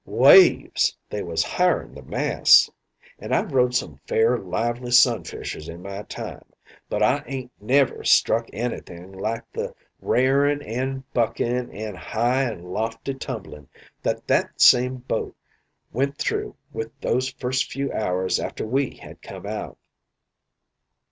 Waves! they was higher'n the masts; and I've rode some fair lively sun fishers in my time, but I ain't never struck anythin' like the r'arin' and buckin' and high an' lofty tumblin' that that same boat went through with those first few hours after we had come out.